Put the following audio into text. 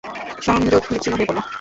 সংযোগ বিচ্ছিন্ন হয়ে পড়লো?